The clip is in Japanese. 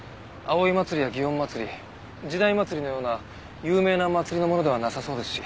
葵祭や園祭時代祭のような有名な祭りのものではなさそうですし。